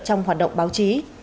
trong hoạt động báo chí